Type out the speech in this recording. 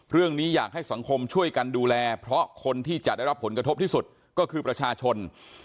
เรื่องนี้อยากให้สังคมช่วยกันดูแลเพราะคนที่จะได้รับผลกระทบที่สุดก็คือประชาชน